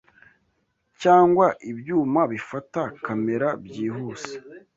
cyangwa ibyuma bifata kamera byihuse,